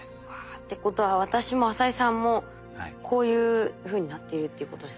ってことは私も浅井さんもこういうふうになっているっていうことですか？